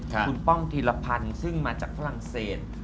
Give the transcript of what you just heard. คุณป้องธีรพันธ์ซึ่งมาจากฝรั่งเศส